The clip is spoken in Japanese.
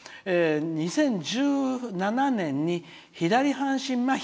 ２０１７年に左半身まひ